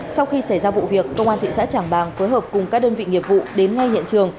sau khi xảy ra vụ việc công an thị xã trảng bàng phối hợp cùng các đơn vị nghiệp vụ đến ngay hiện trường